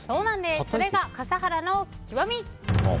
それが笠原の極み。